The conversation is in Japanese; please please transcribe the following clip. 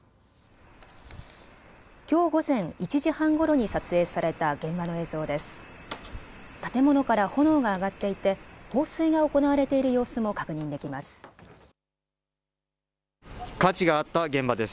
きょう午前１時半ごろに撮影された現場の映像です。